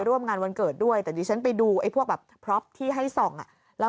ร่วมงานวันเกิดด้วยแต่ดิฉันไปดูไอ้พวกแบบพร็อปที่ให้ส่องอ่ะแล้ว